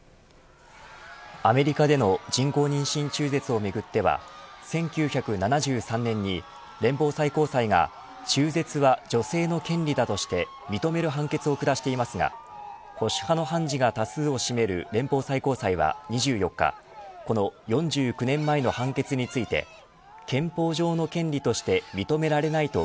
アメリカでの人工妊娠中絶をめぐっては１９７３年に連邦最高裁が中絶は女性の権利だとして認める判決を下していますが保守派の判事が多数を占める連邦最高裁は２４日この４９年前の判決について憲法上の権利として認められないと